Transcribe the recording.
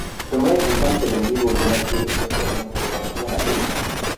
لومړی بریدمن په جنګي روزنو کې د خپلو ملګرو لارښونه کوي.